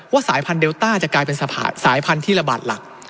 สายพันธุเดลต้าจะกลายเป็นสายพันธุ์ที่ระบาดหลัก